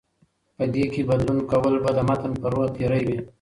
په دې کې بدلون کول به د متن پر روح تېری وي